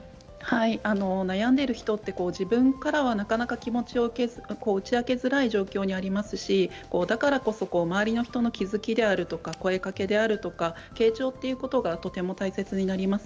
悩んでいる人って自分からはなかなか気持ちを打ち明けづらい状況にありますしだからこそ周りの人の気付きであるとか声かけであるとか傾聴ということがとても大切になります。